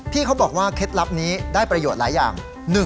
เขาบอกว่าเคล็ดลับนี้ได้ประโยชน์หลายอย่าง